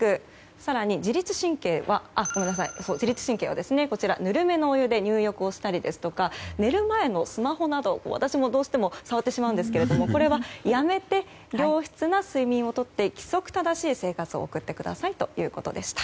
更に自律神経はぬるめのお湯で入浴したり寝る前のスマホなど私もどうしても触ってしまうんですがこれはやめて良質な睡眠をとって規則正しい生活を送ってくださいということでした。